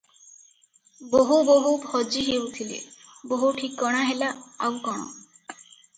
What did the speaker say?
ବୋହୂ ବୋହୂ ଭଜି ହେଉଥିଲେ, ବୋହୂ ଠିକଣା ହେଲା, ଆଉ କଣ?